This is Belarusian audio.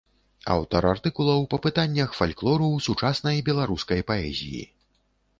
Аўтар артыкулаў па пытаннях фальклору ў сучаснай беларускай паэзіі.